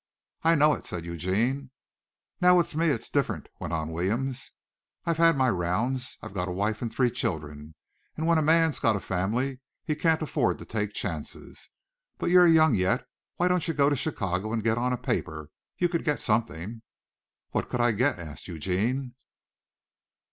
"I know it," said Eugene. "Now with me it's different," went on Williams. "I've had my rounds. I've got a wife and three children and when a man's got a family he can't afford to take chances. But you're young yet. Why don't you go to Chicago and get on a paper? You could get something." "What could I get?" asked Eugene.